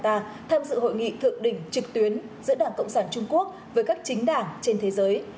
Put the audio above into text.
ta tham dự hội nghị thượng đỉnh trực tuyến giữa đảng cộng sản trung quốc với các chính đảng trên thế giới